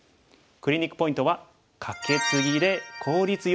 クリニックポイントは。